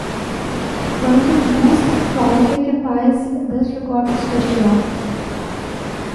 One of the most prolific empires in this regard was Russia.